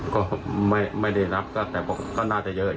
ก็ไม่ได้รับก็แต่ก็น่าจะเยอะ